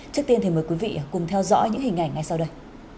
trước tiên thì mời quý vị cùng theo dõi những hình ảnh ngay sau đây